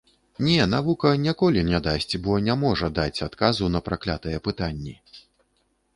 Не, навука ніколі не дасць, бо не можа даць, адказу на праклятыя пытанні.